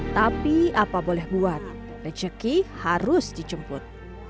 tapi apa boleh buat rezeki harus dicemput